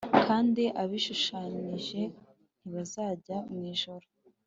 kandi abishushanije ntibazajya mw ijuru,